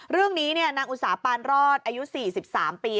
เรื่องนี้นางอุตสาปานรอดอายุ๔๓ปี